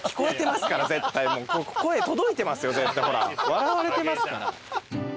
笑われてますから。